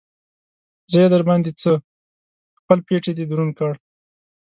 زه يې در باندې څه؟! خپل پټېی دې دروند کړ.